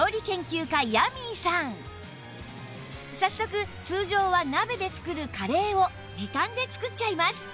早速通常は鍋で作るカレーを時短で作っちゃいます